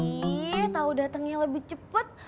iiii tau datengnya lebih cepet